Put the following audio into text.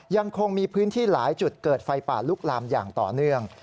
ยังคงมีพื้นที่หลายจุดเกิดไฟป่าลุกลามอย่างต่อเนื่อง